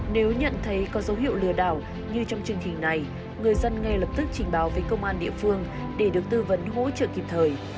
nếu nhận thấy có dấu hiệu lừa đảo như trong chương trình này người dân ngay lập tức trình báo với công an địa phương để được tư vấn hỗ trợ kịp thời